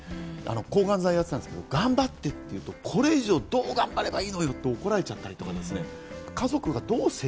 抗がん剤をやってたんですけど、頑張ってって言うと、これ以上どう頑張ればいいの！って怒られちゃう。